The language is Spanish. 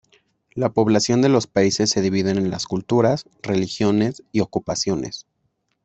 La población de los países se dividen en las culturas, religiones y ocupaciones.